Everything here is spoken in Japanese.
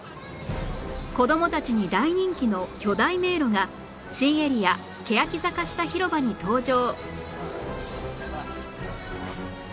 子供たちに大人気の巨大迷路が新エリアけやき坂下ひろばに登場